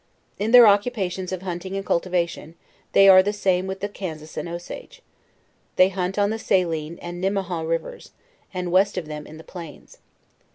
In their occupations: of hun ting and cultivation, they are the same with the Kansas and Osage. They hunt on the Saline and Nimmehaw rivers, and west of them in the plains.